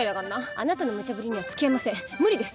あなたのムチャブリには付き合いません無理です。